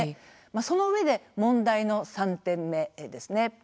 そのうえで問題の３点目ですね。